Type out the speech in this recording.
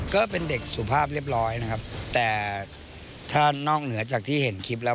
ก็เป็นเด็กสุภาพเรียบร้อยนะครับแต่ถ้านอกเหนือจากที่เห็นคลิปแล้ว